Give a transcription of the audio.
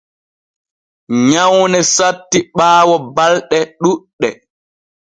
Nyawne satti ɓaawo balɗe ɗuuɗɗe.